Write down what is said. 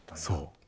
そう。